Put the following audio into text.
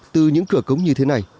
từ những cửa cống như thế này